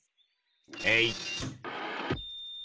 えい！